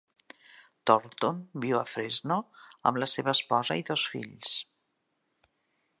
Thornton viu a Fresno amb la seva esposa i dos fills.